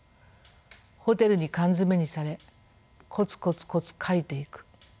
ホテルに缶詰めにされコツコツコツ書いていく。